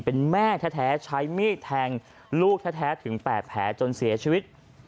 เป็นแม่แท้ใช้มีดแทงลูกแท้ถึง๘แผลจนเสียชีวิต